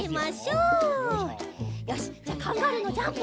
よしじゃあカンガルーのジャンプ！